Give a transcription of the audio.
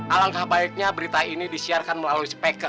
alangkah baiknya berita ini disiarkan melalui speaker